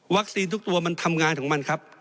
ทุกตัวมันทำงานของมันครับ